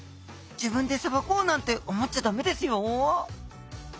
自分でさばこうなんて思っちゃダメですよ！